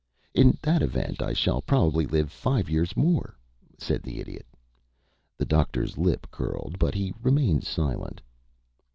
"In that event I shall probably live five years more," said the Idiot. The Doctor's lip curled, but he remained silent.